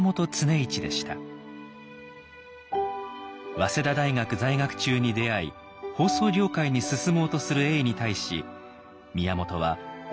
早稲田大学在学中に出会い放送業界に進もうとする永に対し宮本はこんな言葉を投げかけたのです。